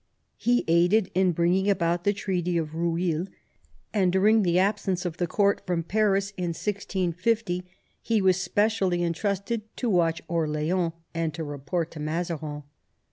He aided in bringing about the Treaty of Eueil, and during the absence of the court from Paris in 1650 he was specially entrusted to watch Orleans and to report to Mazarin.